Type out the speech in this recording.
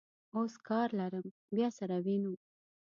اوس کار لرم، بیا سره وینو.